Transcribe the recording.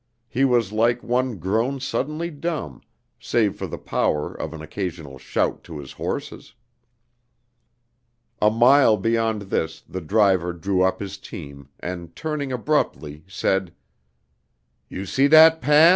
He was like one grown suddenly dumb, save for the power of an occasional shout to his horses. A mile beyond this the driver drew up his team, and turning abruptly, said: "You see dat paf?"